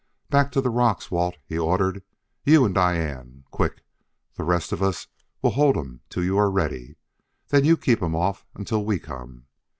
"Back to the rocks, Walt," he ordered; "you and Diane! Quick! The rest of us will hold 'em till you are ready. Then you keep 'em off until we come!"